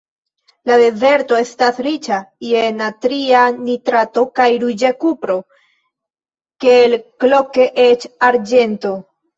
La dezerto estas riĉa je natria nitrato kaj ruĝa kupro, kelkloke eĉ arĝento.